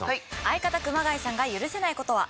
相方熊谷さんが許せない事は？